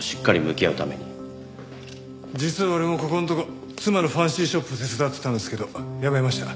実は俺もここんとこ妻のファンシーショップ手伝ってたんですけどやめました。